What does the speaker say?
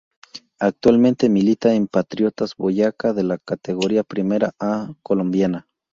Actualmente milita en Patriotas Boyacá de la Categoría Primera A colombiana.